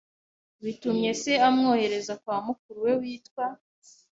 bitumye se amwohereza kwa mukuru we witwa